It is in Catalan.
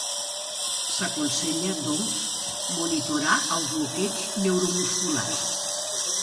S'aconsella, doncs, monitorar el bloqueig neuromuscular.